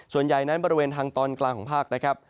ส่วนใหญ่นั้นบริเวณทางตอนกลางของภาคนะครับ